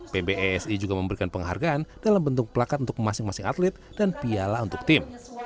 pbsi juga memberikan penghargaan dalam bentuk plakat untuk masing masing atlet dan piala untuk tim